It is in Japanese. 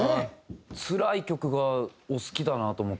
つらい曲がお好きだなと思って。